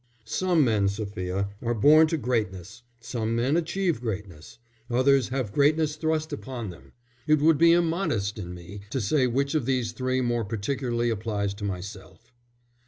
"Some men, Sophia, are born to greatness; some men achieve greatness; others have greatness thrust upon them. It would be immodest in me to say which of these three more particularly applies to myself."